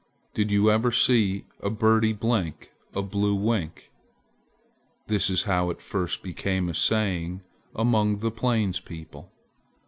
Did you never see a birdie blink a blue wink? This is how it first became a saying among the plains people.